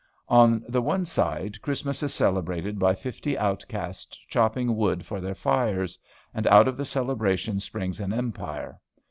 On the one side Christmas is celebrated by fifty outcasts chopping wood for their fires and out of the celebration springs an empire.